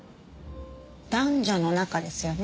男女の仲ですよね？